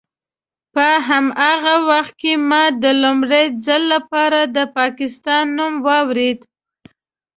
په هماغه وخت کې ما د لومړي ځل لپاره د پاکستان نوم واورېد.